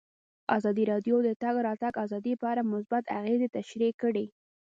ازادي راډیو د د تګ راتګ ازادي په اړه مثبت اغېزې تشریح کړي.